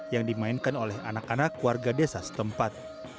yang dimainkan oleh anak anak warga desa setempat